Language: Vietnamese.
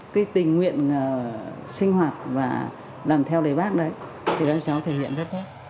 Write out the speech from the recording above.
cái tình nguyện sinh hoạt và làm theo lời bác đấy thì các cháu thể hiện rất tốt